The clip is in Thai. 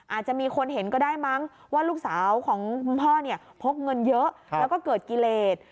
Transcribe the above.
อาจจะมีคนเห็นก็ได้มั้งว่าลูกสาวของคุณพ่อเนี่ยพกเงินเยอะแล้วก็เกิดกิเลส